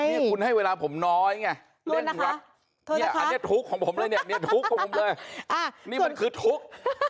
นี่คุณให้เวลาผมน้อยไงเล่นรักอันนี้ทุกข์ของผมเลยนี่มันคือทุกข์